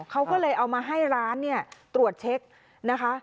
เขาก็เลยเอามาให้ร้านเนี่ยตรวจเช็คนะคะ